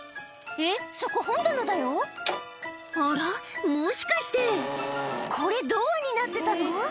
えっそこ本棚だよあらもしかしてこれドアになってたの？